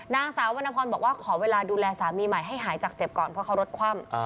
นางสาววรรณพรบอกว่าขอเวลาดูแลสามีใหม่ให้หายจากเจ็บก่อนเพราะเขารถคว่ำ